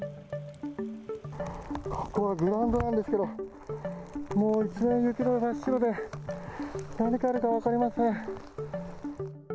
ここはグラウンドなんですけれども、もう一面雪で真っ白で、何があるか分かりません。